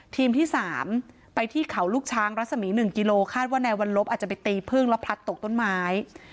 ที่๓ไปที่เขาลูกช้างรัศมี๑กิโลคาดว่านายวัลลบอาจจะไปตีพึ่งแล้วพลัดตกต้นไม้